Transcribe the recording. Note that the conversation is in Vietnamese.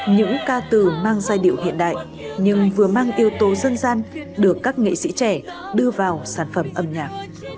những ca từ mang giai điệu hiện đại nhưng vừa mang yếu tố dân gian được các nghệ sĩ trẻ đưa vào sản phẩm âm nhạc